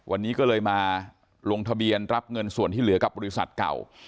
วันนี้ก็เลยมาลงทะเบียนรับเงินส่วนที่เหลือกับบริษัทเก่า